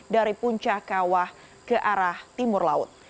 dari puncak kawah ke arah timur laut